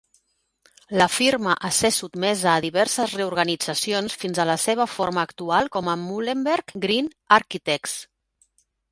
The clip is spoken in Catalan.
La firma a ser sotmesa a diverses reorganitzacions fins a la seva forma actual com Muhlenberg Greene Architects.